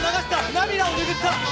涙を拭った！